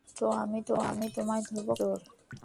তো আমি তোমায় ধরব, কয়েন চোর।